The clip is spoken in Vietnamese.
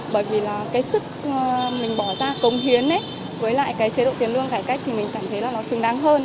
bởi vì là cái sức mình bỏ ra công hiến với lại cái chế độ tiền lương cải cách thì mình cảm thấy là nó xứng đáng hơn